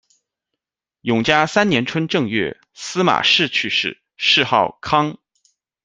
永嘉三年春正月，司马释去世，谥号康。